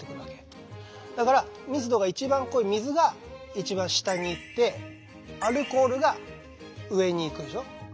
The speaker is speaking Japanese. だから密度が一番濃い水が一番下に行ってアルコールが上に行くでしょ。